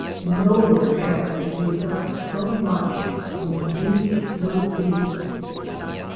Nowhere else did we suffer so much from the fiendish little beasts.